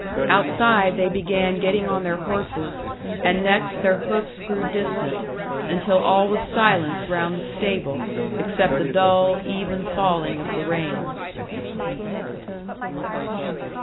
Outside they began getting on their horses; and next their hoofs grew distant, until all was silence round the stable except the dull, even falling of the rain.